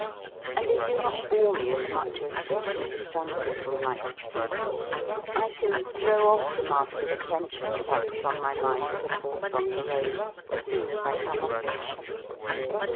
And they do not bore me as much as they do some people like C... ; I can throw off the mask of attention that I put on my mind perforce on parade, as soon as I come off it.